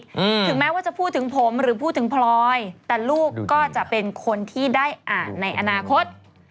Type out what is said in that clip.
ถึงแม้ว่าจะพูดถึงผมหรือพูดถึงพลอยแต่ลูกก็จะเป็นคนที่ได้อ่านในอนาคต